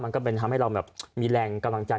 มันก็จะทำให้เรามีแรงกำลังจัน